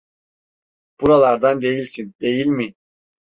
Buralardan değilsin, değil mi?